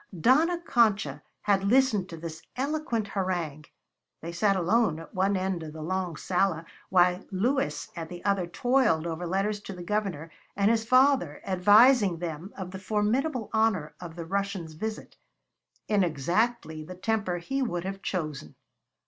Dona Concha had listened to this eloquent harangue they sat alone at one end of the long sala while Luis at the other toiled over letters to the Governor and his father advising them of the formidable honor of the Russian's visit in exactly the temper he would have chosen.